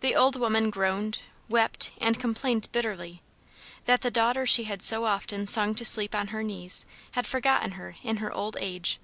The old woman groaned, wept, and complained bitterly, that the daughter she had so often sung to sleep on her knees, had forgotten her in her old age.